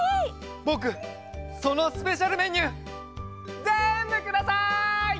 ぼくそのスペシャルメニューぜんぶください！